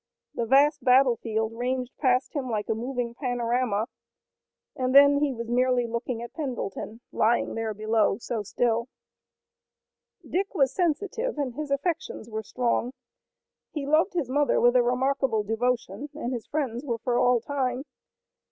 The vast battlefield ranged past him like a moving panorama, and then he was merely looking at Pendleton lying there below, so still. Dick was sensitive and his affections were strong. He loved his mother with a remarkable devotion, and his friends were for all time.